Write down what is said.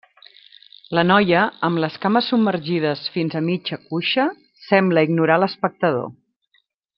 La noia, amb les cames submergides fins a mitja cuixa, sembla ignorar l'espectador.